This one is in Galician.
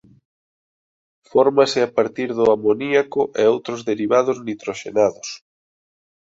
Fórmase a partir do amoníaco e outros derivados nitroxenados.